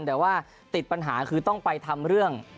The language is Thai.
แต่ว่าติดปัญหาคือต้องไปทำเรื่อง